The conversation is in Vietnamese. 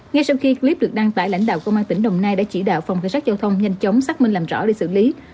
ngay sau khi clip được đăng tải lãnh đạo công an tỉnh đồng nai đã chỉ đạo phòng cảnh sát giao thông nhanh chóng xác minh làm rõ để xử lý